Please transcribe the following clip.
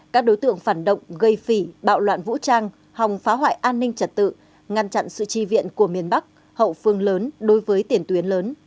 các đối tượng phản động gây phỉ bạo loạn vũ trang hòng phá hoại an ninh trật tự ngăn chặn sự tri viện của miền bắc hậu phương lớn đối với tiền tuyến lớn